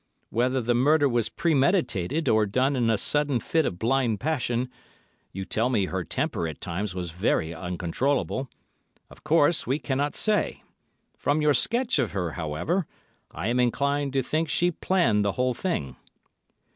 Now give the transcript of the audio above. Whether the murder was premeditated or done in a sudden fit of blind passion—you tell me her temper at times was very uncontrollable—of course we cannot say. From your sketch of her, however, I am inclined to think she planned the whole thing."